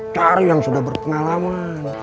cari yang sudah berpengalaman